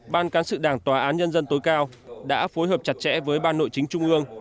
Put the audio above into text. ban cán sự đảng tòa án nhân dân tối cao đã phối hợp chặt chẽ với ban nội chính trung ương